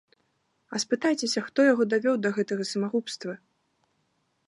А спытайцеся, хто яго давёў да гэтага самагубства?!